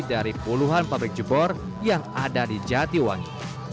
dari puluhan pabrik jebor yang ada di jatiwangi